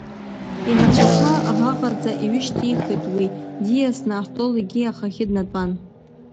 Инацәақәа ӷаӷаӡа иҩышьҭихит уи, диасны астол егьи ахахьы днатәан.